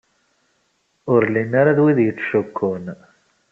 Ur llin ara d wid yettcukkun.